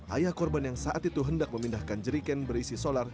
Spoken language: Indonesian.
ayah korban yang saat itu hendak memindahkan jeriken berisi solar